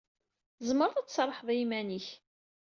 Tzemreḍ ad tserrḥeḍ i yiman-ik.